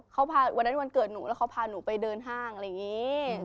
เขาพาวันนั้นวันเกิดหนูแล้วเขาพาหนูไปเดินห้างอะไรอย่างนี้